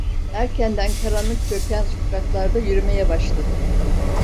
Erkenden karanlık çöken sokaklarda yürümeye başladım.